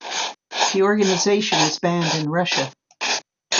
The organisation is banned in Russia.